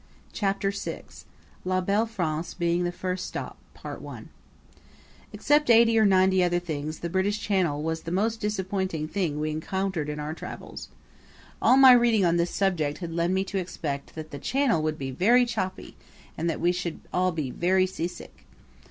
Chapter VI La Belle France Being the First Stop Except eighty or ninety other things the British Channel was the most disappointing thing we encountered in our travels. All my reading on this subject had led me to expect that the Channel would be very choppy and that we should all be very seasick.